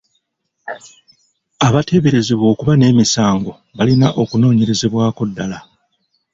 Abateeberezebwa okuba n'emisango balina okunoonyerezebwako ddala.